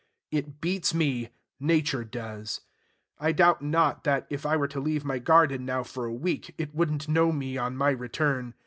It beats me Nature does. I doubt not, that, if I were to leave my garden now for a week, it would n't know me on my return.